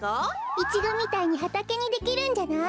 イチゴみたいにはたけにできるんじゃない？